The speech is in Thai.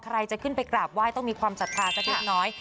ใครจะขึ้นไปกราบไหว้ต้องมีความศรัทธาสักเล็กน้อย